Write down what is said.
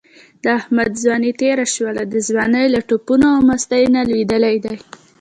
د احمد ځواني تېره شوله، د ځوانۍ له ټوپونو او مستۍ نه لوېدلی دی.